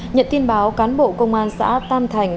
nhận tin báo cán bộ công an xã tam thành